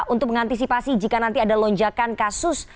untuk mengantisipasi jika nanti ada lonjakan kasus